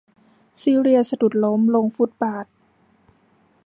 ซีเลียสะดุดล้มลงฟุตบาธ